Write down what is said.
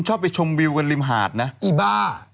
ไม่ทำไมถึงดูอ้วนล่ะ